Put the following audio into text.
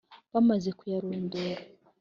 Bamaze kuyarundura